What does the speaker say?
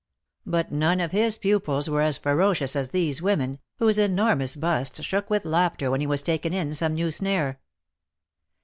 But none of his pupils were as ferocious as these women, whose enormous busts shook with laughter when he was t^ken in some new snare.